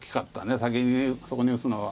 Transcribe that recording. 先にそこに打つのは。